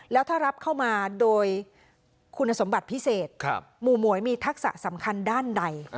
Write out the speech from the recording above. แล้วถ้ารับเข้ามาโดยคุณสมบัติพิเศษหมู่หมวยมีทักษะสำคัญด้านใด